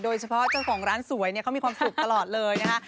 โดยเฉพาะเจ้าของร้านสวยเนี่ยเขามีความสุขตลอดเลยนะคะ